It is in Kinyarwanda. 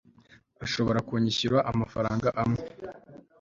ashobora kunyishyura amafaranga amwe